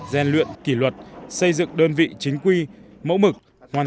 gian luyện kỷ luật xây dựng đơn vị chính quy mẫu mực